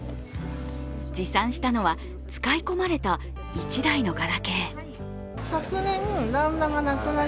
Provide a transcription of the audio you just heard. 持参したのは使い込まれた１台のガラケー。